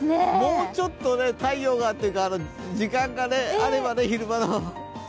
もうちょっと太陽がというか時間があればね、昼間の。